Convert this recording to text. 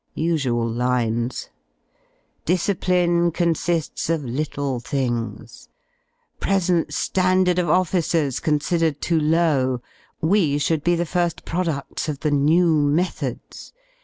Usual lines! Discipline cotisiils of little things . F resent standard of officers V considered too loiv; we should be the firil produds of theji£2M methods.